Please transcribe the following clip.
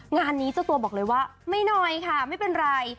งานนี้เจ้าตัวบอกเลยว่าไม่น้อยค่ะไม่เป็นไร